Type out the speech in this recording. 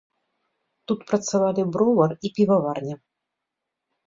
Тут працавалі бровар і піваварня.